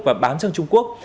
và bán sang trung quốc